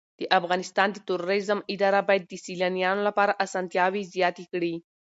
د افغانستان د توریزم اداره باید د سېلانیانو لپاره اسانتیاوې زیاتې کړي.